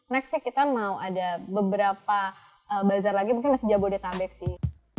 next sih kita mau ada beberapa bazar lagi mungkin masih jabodetabek sih